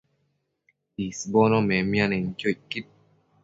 isbono nemianenquio icquid